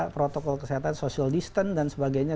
protokol kesehatan social distance dan sebagainya